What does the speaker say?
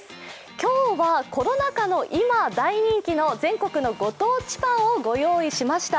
今日はコロナ禍の今大人気の全国のご当地パンをご用意しました。